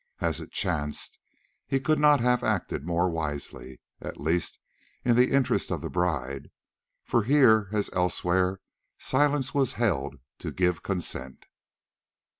As it chanced, he could not have acted more wisely, at least in the interests of the bride, for here, as elsewhere, silence was held to give consent.